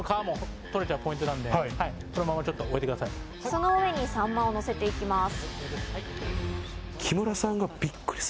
その上にサンマをのせていきます。